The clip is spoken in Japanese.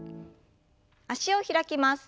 脚を開きます。